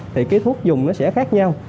thì cái thuốc dùng nó sẽ khác nhau